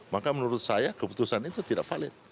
maka menurut saya keputusan itu tidak valid